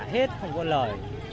hết không có lợi